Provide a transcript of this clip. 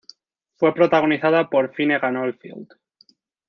Fue protagonizada por Finnegan Oldfield.